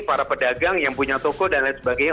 para pedagang yang punya toko dan lain sebagainya